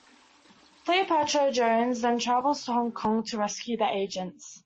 Cleopatra Jones then travels to Hong Kong to rescue the agents.